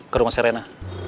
ke rumah serena